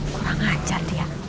kurang ajar dia